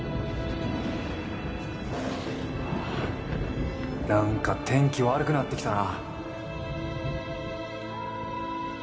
ああなんか天気悪くなってきたな。